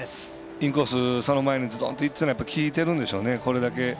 インコース、その前にズドンといってるのが効いてるんでしょうね、これだけ。